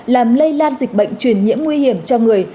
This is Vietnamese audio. làm lây lan dịch bệnh truyền nhiễm nguy hiểm cho người